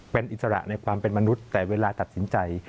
เป็นอิสระในความเป็นมนุษย์แต่เวลาตัดสินใจ